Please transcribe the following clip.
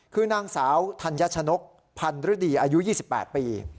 คือนางสาวธัญชนกพันธฤดีอายุ๒๘ปี